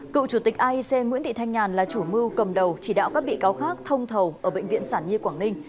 cựu chủ tịch aec nguyễn thị thanh nhàn là chủ mưu cầm đầu chỉ đạo các bị cáo khác thông thầu ở bệnh viện sản nhi quảng ninh